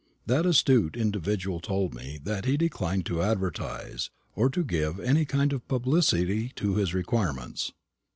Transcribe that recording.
That astute individual told me that he declined to advertise, or to give any kind of publicity to his requirements.